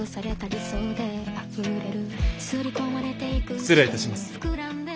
失礼いたします。